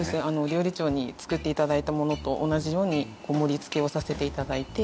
料理長に作って頂いたものと同じように盛り付けをさせて頂いて。